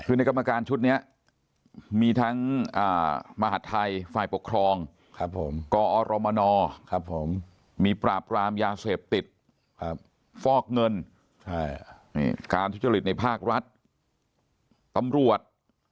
คือในกรรมการชุดนี้มีทั้งมหาดไทยฝ่ายปกครองกอรมนมีปราบรามยาเสพติดฟอกเงินการทุจริตในภาครัฐตำรวจ